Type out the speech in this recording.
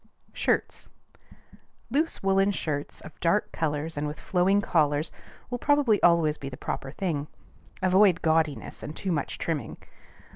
SHIRTS. Loose woollen shirts, of dark colors and with flowing collars, will probably always be the proper thing. Avoid gaudiness and too much trimming.